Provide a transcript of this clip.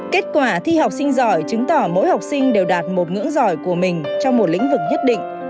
kết quả thi học sinh giỏi chứng tỏ mỗi học sinh đều đạt một ngưỡng giỏi của mình trong một lĩnh vực nhất định